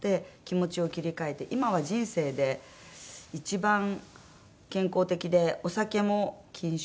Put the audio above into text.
今は人生で一番健康的でお酒も禁酒。